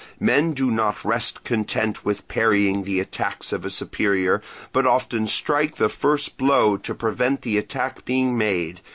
Men do not rest content with parrying the attacks of a superior, but often strike the first blow to prevent the attack being made.